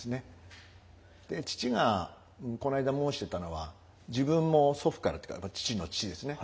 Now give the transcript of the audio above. で父がこの間申してたのは自分も祖父からというか父の父ですね。